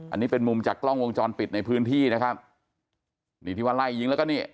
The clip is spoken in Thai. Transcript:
อันนี้เป็นมุมจากกล้องวงจรปิดในพื้นที่นะครับนี่ที่ว่าไล่ยิงแล้วก็นี่